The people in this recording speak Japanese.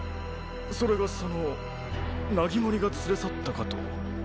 それがそのナギモリが連れ去ったかと。